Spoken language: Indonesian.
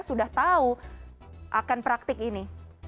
sudah tahu akan praktik ini